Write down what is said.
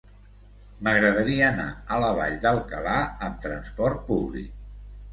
M'agradaria anar a la Vall d'Alcalà amb transport públic.